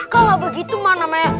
kalau begitu mana mana